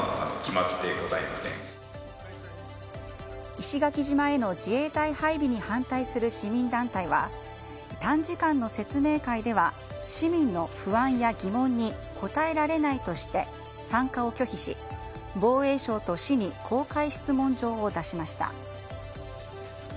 石垣島への自衛隊配備に反対する市民団体は短時間の説明会では市民の不安や疑問に答えられないとして参加を拒否し防衛省と市に公開質問状を出しました。